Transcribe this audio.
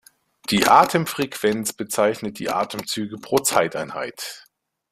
Die Atemfrequenz bezeichnet die Atemzüge pro Zeiteinheit.